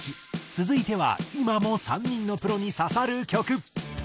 続いては今も３人のプロに刺さる曲。